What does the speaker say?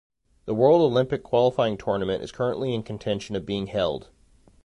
The World Olympic Qualifying Tournament is currently in contention of being held.